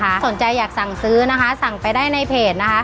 ถ้าสนใจอยากสั่งซื้อนะคะสั่งไปได้ในเพจนะคะ